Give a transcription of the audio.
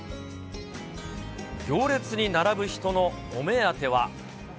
行列に並ぶ人のお目当ては。